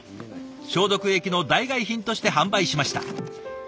消毒液の代替え品として販売しました。